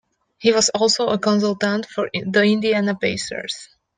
He was also a consultant for the Indiana Pacers.